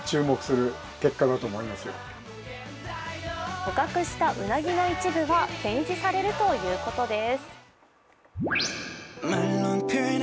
捕獲したうなぎの一部は展示されるということです。